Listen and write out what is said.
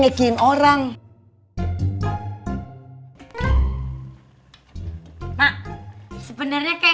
mak emangnya kenapa